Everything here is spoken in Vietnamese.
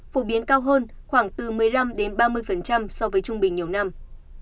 phổ biến cao hơn khoảng từ một mươi năm ba mươi so với trung bình nhiều năm